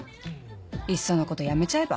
いっそのことやめちゃえば？